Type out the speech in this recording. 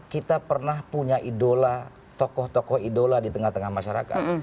kita pernah punya idola tokoh tokoh idola di tengah tengah masyarakat